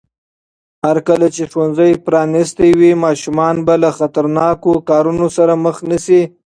هرکله چې ښوونځي پرانیستي وي، ماشومان به له خطرناکو کارونو سره مخ نه شي.